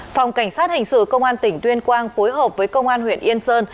phòng cảnh sát hình sự công an tỉnh tuyên quang phối hợp với công an huyện yên sơn